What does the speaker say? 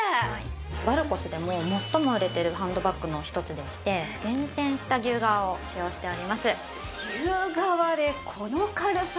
バルコスでも最も売れているハンドバッグの一つでして厳選した牛革を使用しております。